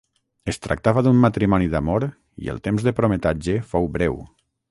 Es tractava d'un matrimoni d'amor i el temps de prometatge fou breu.